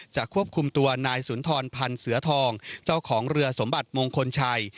ควบคุมตัวนายสุนทรพันธ์เสือทองเจ้าของเรือสมบัติมงคลชัย